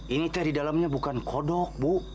ini teh di dalamnya bukan kodok bu